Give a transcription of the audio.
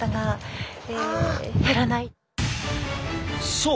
そう。